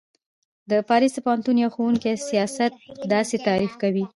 ج : د پاریس د پوهنتون یوه ښوونکی سیاست داسی تعریف کوی